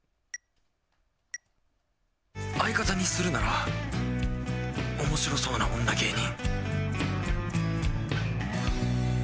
相方にするなら面白そうな女芸人。